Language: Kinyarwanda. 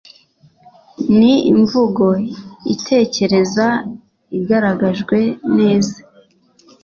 ni imvugo itekereza, igaragajwe neza